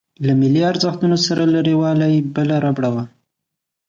له ملي ارزښتونو سره لريوالۍ بله ربړه وه.